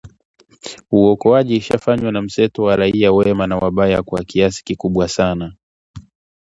uokoaji ishafanywa na mseto wa raia wema na wabaya kwa kiasi kikubwa sana